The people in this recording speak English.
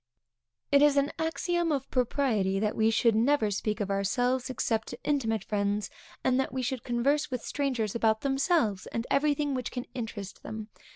_ It is an axiom of propriety that we should never speak of ourselves, (except to intimate friends) and that we should converse with strangers about themselves, and everything which can interest them.